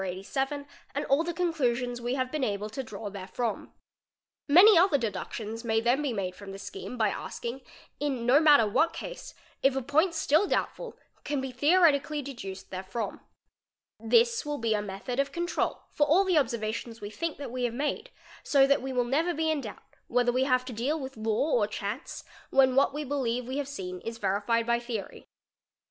87 and all the conclusions we have been able to draw therefrom. Many other deduce y tions may then be made from this scheme by asking, in no matter whab_ case, if a point still doubtful can be theoretically deduced therefrom This will be a method of control for all the observations we think thé a | we have made, so that we will never be in doubt, whether we have t deal with law or chance, when what we believe we have seen is vert af by theory.